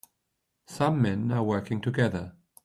Some men are working together.